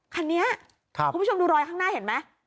คันนี้คุณผู้ชมดูรอยข้างหน้าเห็นไหม